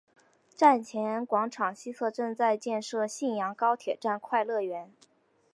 站前广场西侧正在建设信阳高铁站快乐园。